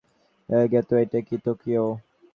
গেতো, এটাই কি টোকিয়ো?